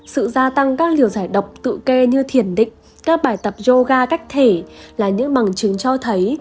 sự gia tăng các liều giải độc tự kê như thiền định các bài tập yoga cách thể là những bằng chứng cho thấy